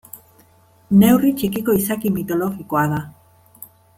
Neurri txikiko izaki mitologikoa da.